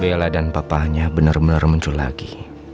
bella dan papanya bener bener muncul lagi